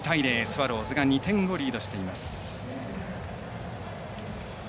スワローズが２点をリードしています。